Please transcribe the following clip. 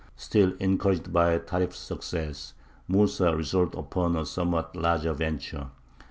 Still, encouraged by Tarīf's success, Mūsa resolved upon a somewhat larger venture.